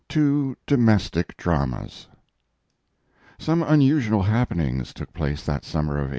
TWO DOMESTIC DRAMAS Some unusual happenings took place that summer of 1877.